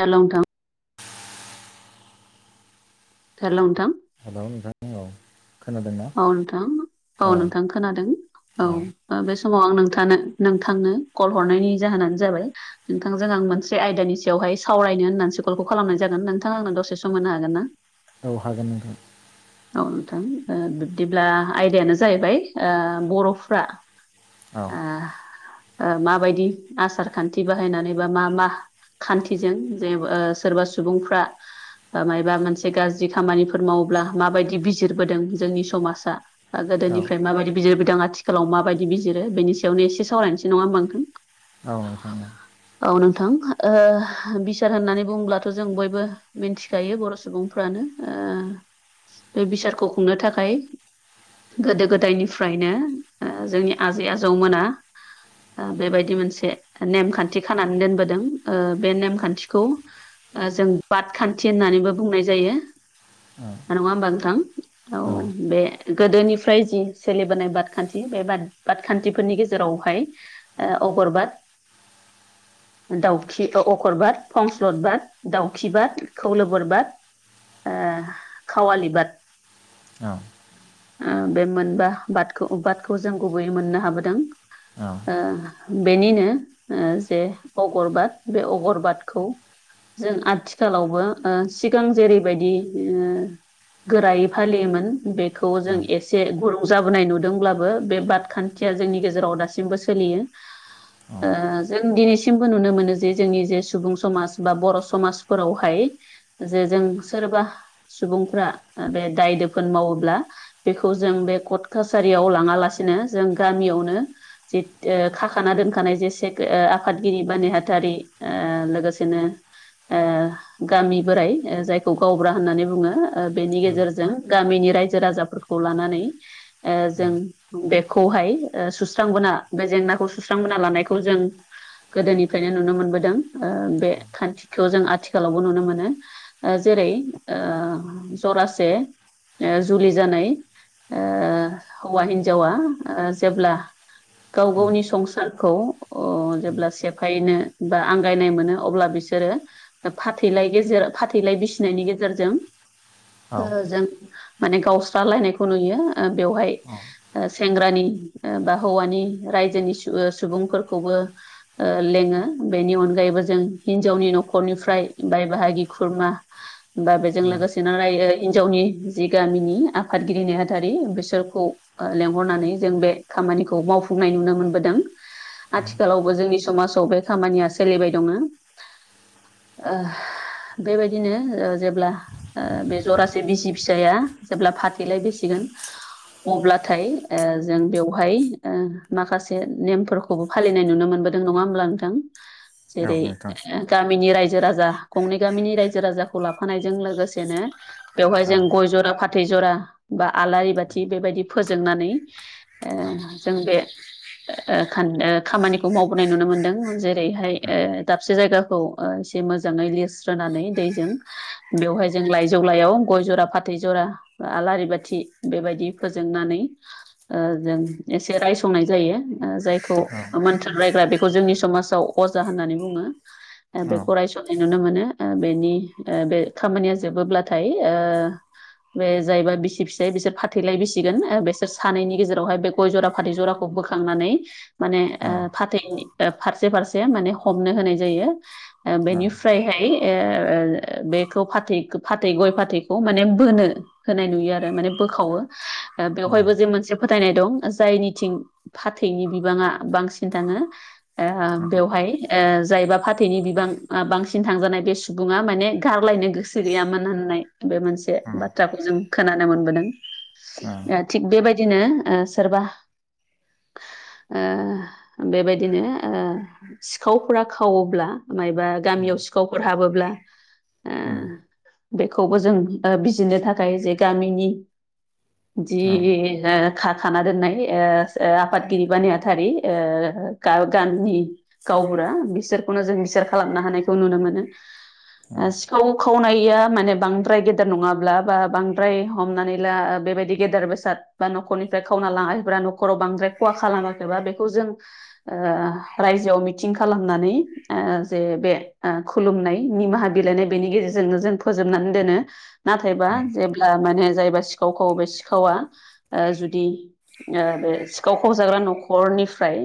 जालां थां थारलांथां [unintelligible] खोनादोंना औ नोंथां औ नोंथां खोनादों औ बे समाव आं नोंथानो नोंथांनो कल हरनायनि जाहोनानो जाबाय नोंथांजों आं मोनसे आयदानि सायावहाय सावरायनो होननानैसो कलखौ खालामनाय जागोन नोंथांआ आंनो दसे सम होनो हागोन ना? औ हागोन नोंथां। औ नोंथां ओ बिब्दिब्ला आयदायानो जाहैबाय बर'फ्रा औ ओ ओ माबायदि आसार खान्थि बाहायनानै बा मा मा खान्थिजों जे ओ सोरबा सुबुंफ्रा बा मायबा मोनसे गाज्रि खामानिफोर मावोब्ला माबायदि बिजिरबोदों जोंनि समाजा औ गोदोनिफ्राय माबायदि बिजिरबोदों आथि [unintelligible] माबायदि बिजिरो बेनि सायावनो एसे सावरायनोसै नङा होनबा नोंथां। औ नोंथां औ औ नोंथां बिसार होननानै बुंङब्लाथ' जों बयबो मिन्थिखायो बर' सुबुंफ्रानो ओ बे बिसारखौ खुंनो थाखाय गोदो गोदायनिफ्रायनो जोंनि आजै आजौमोना बेबायदि मोनसे नेमखान्थि खानानै दोनबोदों ओ बे नेमखान्थिखौ ओ जों बाद खान्थि होननानैबो बुंनाय जायो। ओ नङा होमबा नोंथां औ बे गोदोनिफ्राय जि सोलिबोनाय बादखान्थि बे बाद बादखान्थिफोरनि गेजेरावहाय ओ अगरबाद दाउखि अ-अकर बाद फंस्लद बाद दाउखि बाद खौलोबोर बाद। ओ खावालि बाद औ ओ बे मोनबा बादखौ बादखौ जों गुबैयै मोननो हाबोदों। ओ बेनिनो ओ जे अगरबाद बे अगरबादखौ जों आथिखालावबो ओ सिगां जेरैबायदि ओ गोरायै फालियोमोन बेखौ जों औ नोंथां औ एसे गुरुं जाबोनाय नुदोंब्लाबो बे बाद खान जोंनि गेजेराव दासिमबो सोलियो। औ नोंथां औ ओ जों दिनैसिमबो नुनो मोनो जे जोंनि जे सुबुं समाज बा बर' समाज फोरावहाय जे जों सोरबा सुबुंफ्रा बे दाय दोफोन मावोब्ला बेखौ जों बे कर्ट कासारियाव लाङालासिनो जों गामियावनो जि ओ खाखाना दोनखानाय जि से ओ आफादगिरि बा नेहाथारि ओ लोगोसेनो ओ गामि बोराय ओ जायखौ गावबुरा होननानै बुङो ओ बेनि गेजेर जों गामिनि रायजो राजाफोरखौ लानानै ओ जों बेखौहाय ओ सुस्रांबोना बे जेंनाखौ सुस्रांबोना लानायखौ जों गोदोनिफ्रायनो नुनो मोनबोदों ओ बे खान्थिखौ जों आथि आथिखालावबो नुनो मोनो ओ जेरै ओ ज'रासे ओ जुलि जानाय ओ हौवा हिन्जावा ओ जेब्ला गाव गावनि संसारखौ अ जेब्ला सेफायनो बा आंगायनाय मोनो अब्ला बिसोरो फाथैलाय गेजेर फाथैलाय बिसिनायनि गेजेरजों ओ जों माने गावस्रालायनायखौ नुयो ओ बेवहाय ओ सेंग्रानि ओ बा हौवानि रायजोनि सु ओ सुबुंफोरखौबो ओ लेङो बेनि अनगायैबो जों हिन्जावनि न'खरनिफ्राय बाय बाहागि खुरमा दा बेजों लोगोसेनो राय ओ हिनजावनि जि गामिनि आफादगिरि नेहाथारि बिसोरखौ ओ लेंहरनानै जों बे खामानिखौ मावफुंनाय नुनो मोनबोदों। आथिखालावबो जोंनि समाजाव बे खामानिया सोलिबाय दङो। ओ बेबायदिनो ओ जेब्ला ओ बे ज'रासे बिसि फिसाया जेब्ला फाथैलाय बिसिगोन अब्लाथाय ओ जों बेवहाय ओ माखासे नेमफोरखौ खौबो फालिनाय नुनो मोनबोदों नङा होमब्ला नोंथां जेरै ओ गामिनि रायजो राजा गंनै गामिनि रायजो राजाखौ लाफानायजों लोगोसेनो बेवहाय जों गय ज'रा फाथ थै जरा बा आलारि बाथि बेबायदि फोजोंनानै ओ जों बे ओ ओ खान ओ खामानिखौ मावबोनाय नुनो मोनदों जेरैहाय ओ दाबसे जायगाखौ ओ एसे मोजाङै लिरस्रोनानै दैजों बेवहाय जों लाइजौलायाव गय ज'रा फाथै ज'रा आलारि बाथि बेबायदि फोजोंनानै ओ जों एसे रायसंनाय जायो ओ जायखौ मोन्थोर रायग्रा बेखौ जोंनि समाजाव अजा होननानै बुङो। ओ बेखौ रायसननाय नुनो मोनो ओ बेनि ओ बे खामानिया जोबोब्लाथाय ओ बे जायबा बिसि फिसाय बिसोर फाथैलाय बिसिगोन बिसोर सानैनि गेजेरावहाय बे गय ज'रा फाथै ज'राखौ बोखांनानै माने ओ फाथैनि ओ फारसे फारसे माने हमनो होनाय जायो। ओ बेनिफ्रायहाय ओ बेखौ फाथै फाथै गय फाथ [unintelligible] थैखौ माने बोनो होनाय नुयो आरो माने बोखावो ओ बेवहायबो जि मोनसे फोथायनाय दं जायनिथिं फाथैनि बिबाङा बांसिन थाङो ओ बेवहाय ओ जायबा फाथैनि बिबां आ बांसिन थांजानाय बे सुबुङा माने गारलायनो गोसो गैयामोन होननाय बे मोनसे बाथ्राखौ जों खोनानो मोनबोदों। ओ थिग बेबायदिनो ओ सोरबा ओ बेबायदिनो ओ सिखावफोरा खावोब्ला मायबा गामियाव सिखावफोर हाबोब्ला ओ खौबो जों बिजिनो थाखाय जे गामिनि जि ओ खा-खाना दोननाय ओ ओ आफादगिरि ब नेहाथारि गा-गाननि गावबुरा बिसोरखौनो जों बिसार खालामनो हानायखौ नुनो मोनो। ओ सिखाव खावनाया माने बांद्राय गेदेर नङाब्ला बा बांद्राय हमनानै ला बेबायदि गेदेर बेसाद बा न'खरनिफ्राय खावना लाङाखैब्रा न'खराव बांद्राय खहा खालामाखैबा बेखौ जों ओ रायजोआव मिटिं खालामनानै ओ जे बे खुलुमनाय निमाहा बिलाइनाय बेनि गेजेरजोंनो जों फो जोबनानै दोनो नाथायबा जेब्ला माने जायबा खावखौ बे सिखावा ओ जुदि ओ बे सिखाव खावजाग्रा न'खरनिफ्राय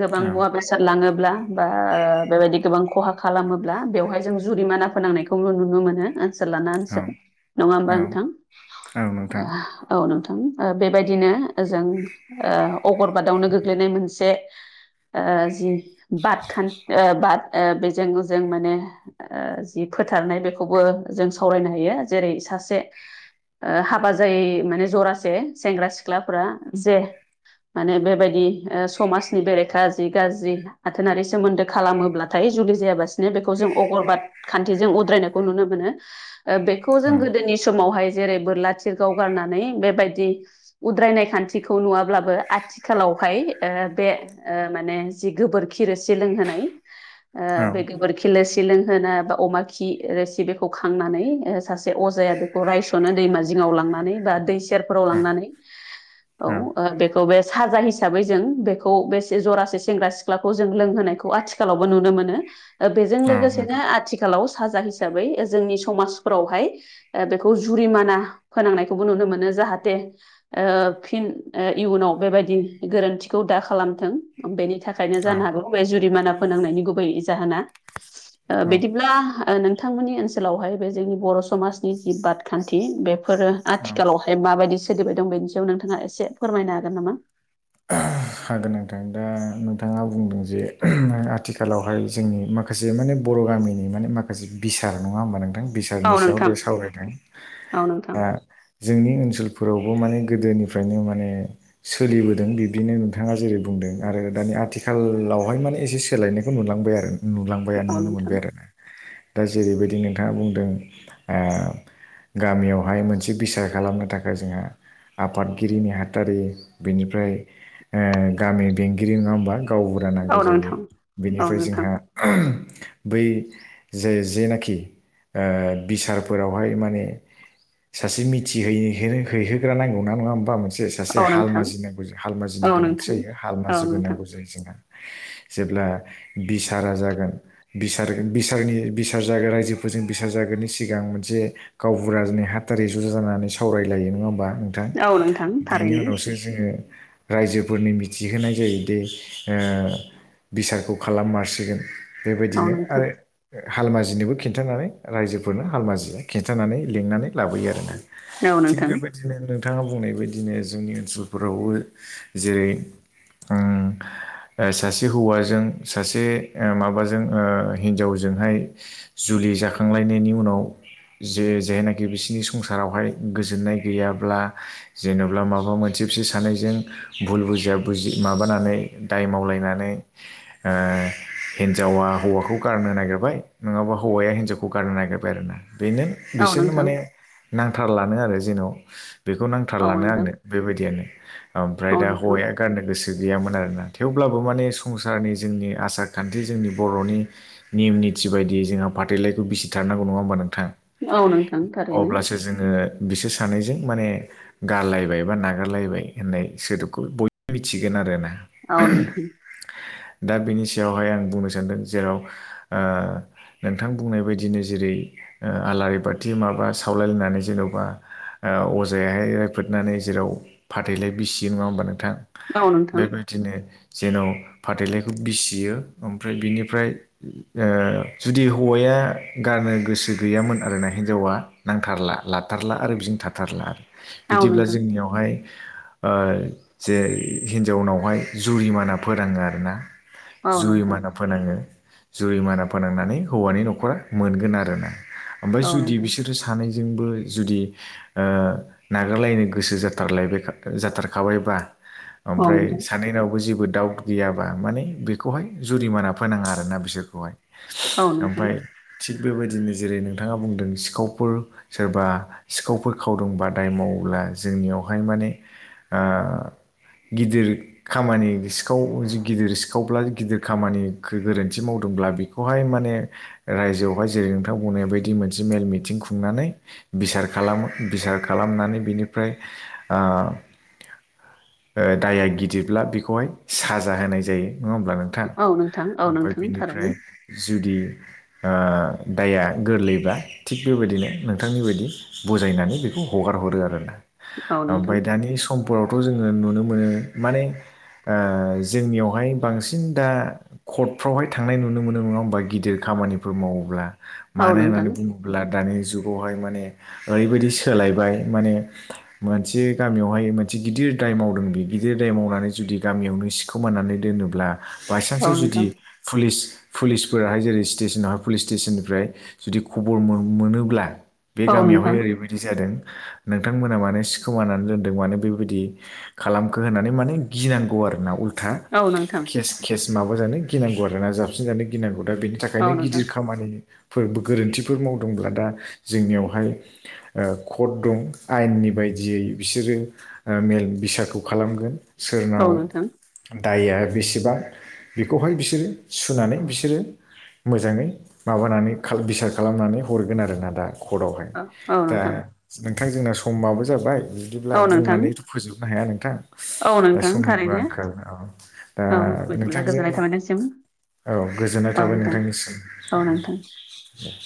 गोबां मुवा बेसाद साद लाङोब्ला बा बेबायदि गोबां खहा खालामोब्ला बेवहाय जों जुरिमाना फोनांनायखौ खौबो नुनो मोनो ओनसोल लाना ओनसोल नङा होमबा नोंथां? औ नोंथां ओ बेबायदिनो ओ जों ओ अगरबादावनो गोग्लैनाय मोनसे ओ जि बादखान ओ बाद ओ बेजों जों माने ओ जि फोथारनाय बेखौबो जों सावरायनो हायो जेरै सासे ओ हाबा जायै माने जरासे सेंग्रा सिख्लाफोरा जे माने बेबायदि ओ समाजनि बेरेखा जि गाज्रि आथोनारि सोमोन्दो खालामोब्लाथाय जुलि जायाबासिनो बेखौ जों अगरबाद खान्थिजों उद्रायनायखौ नुनो मोनो। बेखौ जों गोदोनि समावहाय जेरै बोरला थिरगाव गारनानै बेबायदि उद्रायनाय खान्थिखौ नुवाब्लाबो आथिखालावहाय ओ बे ओ माने जि गोबोरखि रोसि लोंहोनाय। ओ बे गोबोरखि रोसि लोंहोना बा अमा खि रोसि बे खांनानै सासे अजाया बेखौ रायस'नो दैमा जिङाव लांनानै बा दै सेरफोराव लांनानै। औ ओ बेखौ बे साजा हिसाबै जों बेखौ बे जरासे सेंग्रा सि सिख्लाखौ जों लोंहोनायखौ आथिखालावबो नुनो मोनो। बेजों लोगोसेनो नोंथां आथिखालाव साजा हिसाबै जोंनि समाजफोरावहाय बेखौ जुरिमाना फोनांनायखौबो नुनो मोनो जाहाथे ओ फिन ओ इयुनाव बेबायदि गोरोन्थिखौ दा खालामथों। बेनि थाखायनो जानो हागौ बे जुरिमाना फोनांनायनि गुबै जाहोना। बिदिब्ला नोंथांमोननि ओसोलाव ओनसोलावहाय बे जोंनि बर' समाजनि जि बादखान्थि बेफोरो औ औ आथिखालावहाय माबायदि सोलिबाय दं बे याव नोंथाङा एसे फोरमायनो हागोन नामा होनांथां दा नोंथाङा बुंदों जे आथिखालावहाय जोंनि माखासे माखासे माने बर' गामिनि माने माखासे बिसार नङा होमबा नोंथां बिस औ सारनि नोंथां सायावनो सावरायदों औ नोंथां दा जोंनि ओनसोलफोरावबो माने गोदोनिफ्रायनो माने सोलिबोदों बिब्दिनो नथां बिथाङा जेरै बुंदों आरो दानि आथिखालावहाय माने एसे सोलायनायखौ नुलांबाय आरो नुलांबाय आरो औ नुनो नोंथां मोनबाय आरोना दा जेरैबायदि नोंथाङा बुंदों ओ गामियावहाय मोनसे बिसार खालामनो थाखाय जोंहा आफादगिरिनि नेहाथारि बिनिफ्राय ओ गामि बेंगिरि नङा होमबा गावबुरा औ नांगौ जायो नोंथां औ बेनिफ्राय नोंथां जोंहा बै जे जेनाखि ओ बिसारफोरावहाय माने सासे मिथिहै हैहोग्रा नांगौ ना नङा होमबा मोनसे सासे औ नोंथां हालमाजि नांगौ औ हालमाजिनि गोनांथि नोंथां जायो हाल औ माजिबो नोंथां नांगौ जायो जोंहा। जेब्ला बिसारा जागोन बिस बिस बिसार जाग रायजोफोरजों बिसार जागोननि सिगां मोनसे गावबुरा दिोंै हाथारै जुजा जानानै सावरायलायो नङा होमा औ नोंथां बेनि थारैनो उनावसो जोङो रजो ग फोरनि मिथिहोनाय जायोदि बिसारखौ खालाम मारसिगोन औ बेबायदिनो नोंथां आरो हालमा जिनोबो खिन्थानानै रायजोफोरनो हालमा जिया खिन्थानानै लिंनानै लाबोयो आरो ना औ थिग नोंथां बेबायदिनो नोंथाङा बुंनाय बायदिनो जोंनि ओनसोलफोरावबो जेरै आ सासे हौवाजों सासे माबाजों हिन्जावजोंहाय जुलि जाखांलायनायनि उनाव जे जेनाखि बिसिोरनि संसारावहाय गोजोननाय गैयाब्ला जेनेबा माबा मोनसे बिसो सानैजों भुल बुजिया बजि माबानानै दाय मावलायनानै हिन्जावा हौवाखौ गारनो नागिरबाय नङाबा हौवाया हिन्जावखौ गारनो नागिरबाय आरो ना बेनो औ बिसोरनो नोंथां माने नांथारलानो आरो जेन' बेखौ औ नांथारलानो नोंथां आंनो बेबायदियानो ओमफ्राय औ दा नोंथां हौवाया गारनो गोसो गैयामोन आरोना थेवब्लाबो माने संसारनि जोंनि आसार खान्थि जोंनि बर'नि नेयम निथि बायदियै जोंहा फाथैलायखौ बिसिथारनांगौ नङा होमबा नोंथां औ नोंथां थारैनो अब्लासो जोङो बिसोर सानैजों माने गारलायबाय बा नागारलायबाय होननाय सोदोबखौ बयबो मिथिगोन आरो ना आन थ दा बिनि सायावहाय आं बुंनो सानदों जेराव नोंथां बुंनाय बायदिनो जेरै आलारि बाथि माबा सावलायलायनानै जेन'बा अजायाहाय रायफोदनानै जेराव फाथैलाय बिसिगोन नङा होमबा नोंथां औ नोंथां बेबायदि बि दिनो जेन' फाथैलायखौ बिसियो ओमफ्राय बिनिफ्राय जुदि हौवाया गारनो गोसो गैयामोन आरोना हिनजावा नांथारला लाथारला आरो बिं थाथारला आरो औ बिदिब्ला नोंथां जोंनियावहाय जे हिन्जावनावहाय जुरिमाना फोरोनाङो आर ना औ जुइ नोंथां मान फोनाङो जुरिमाना फोनांनानै हौवानि न'खरा मोनगोन आरो ना ओमफ्राय औ जुदि नोंथां बिसोरो सानैजोंबो जुदि नागारलायनो गोसो जाथारलाय बे जाथारखाबायबा औ ओमफ्राय नोंथां सानैनावबो जेबो दाउट गैयाबा माने बेखौहाय जुरिमाना फोनाङा आरोना बिसोरखौहाय औ नोंथां ओमफ्राय थिग बेबायदिनो जेरै नोंथाङा बुंदों सिखावफोर सोरबा सिखावफोर खावदों बा दाय मावोब्ला जोंनियावहाय माने आ गिदिर खामानि सिखाव गिदिर सिखावब्ला गिदिर खामानि गोरोन्थि मावदोंब्ला बि खौहाय माने रायजोआवहाय जेरै नोंथां बुंनाय बायदि मोनसे मेल मिथिं खुंनानै बिसार खालामो बिसार खालामनानै बिनिफ्राय आ दाया गिदिरब्ला बेखौहाय साजा होनाय जायो नङा होमब्ला नों गोथा औ नोंथां औ ओमफ्राय नोंथां थारैनो बिनिफ्राय जुदि दाया गोरलैब्ला थिग बेबायदिनो नोंथांनि बायदि बुजायनानै बेखौ हगार हरो आरो ना औ नोंथां ओमफ्राय दानि समफोरावथ' जोङो नुनो मोनो माने जोंनियावहाय बांसिन दा कर्टफ्रावहाय थांनाय नुनो मोनो नङा होमबा गिदिर खामानिफोर मावोब्ला औ मानो नोंथां होननानै बुङो ब्ला दानि जुगावहाय माने ओरैबायदि सोलायबाय माने मोनसे गामियावहाय मोनसे गिदिर दाय मावदों बि गिदिर दाय मावनानै जुदि गामियावनो सिखोमानानै दोनोब्ला औ बायसान्सआव जुदि नोंथां पुलिस पुलिसफोराहाय जेरै स्टेसनावहाय पुलिस स्टेसननिफ्राय जुदि खबर मोन मोनोब्ला बे औ गामियावहाय नोंथां ओरैबायदि जादों नोंथांमोना मानो सिखोमाना दोनदों मानो बेबायदि खालामखो होननानै माने गिनांगौ आरोना उल्था औ नोंथां केस केस माबाजानो गिनांगौ आरोना जाबसिन जानो गिनांगौ दा बेनि थाखायनो औ नोंथां गिदिर खामानि फोर गोरोन्थिफोर मावदोंब्ला दा जोंनियावहाय ओ कर्ट दं आयेननि बायदियै बिसोरो मेल बिसखौ खालामगोन। औ सोरनाव नोंथां दाया बेसेबां बेखौहाय बिसोरो सुनानै बिसोरो मोजाङै माबानानै खाल बिसार खालामनानै हरगोन आरोना दा कर्टआवहाय औ दा नोंथां नोंथां जोंना समाबो जाबाय बिदिब्ला औ नोंथां बुंनानैथ' फोजोबनो हाया नोंथां औ नोंथां समनिबो थारैनो आंखाल अ। दा औ बिदिब्ला नोंथांजों गोजोननाय थाबाय नोंसिम औ गोजोननाय औ थाबाय नोंथां नोंथांनिसिम औ नोंथां ओम दे।